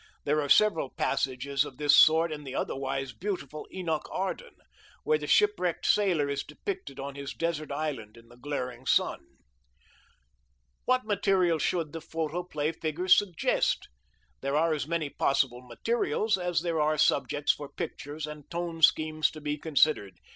There are several passages of this sort in the otherwise beautiful Enoch Arden, where the shipwrecked sailor is depicted on his desert island in the glaring sun. What materials should the photoplay figures suggest? There are as many possible materials as there are subjects for pictures and tone schemes to be considered.